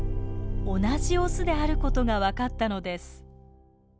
同じオスであることが分かったのです。